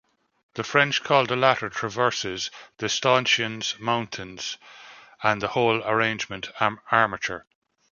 The French call the latter "traverses", the stanchions "montants", and the whole arrangement "armature".